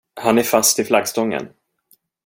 Han är fast i flaggstången.